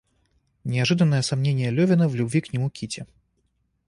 Неожиданное сомнение Левина в любви к нему Кити.